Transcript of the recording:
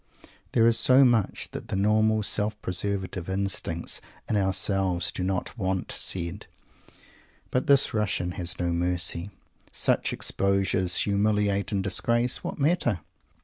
There is so much that the normal self preservative instincts in ourselves do not want said. But this Russian has no mercy. Such exposures humiliate and disgrace? What matter?